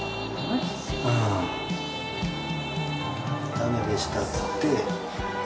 駄目でしたっつって。